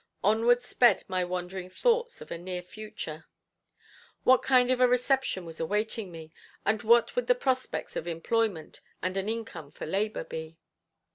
Onward sped my wandering thoughts of a near future; what kind of a reception was awaiting me, and what would the prospects of employment and an income for labor be?